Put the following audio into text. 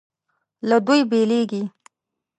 له دوی بېلېږي.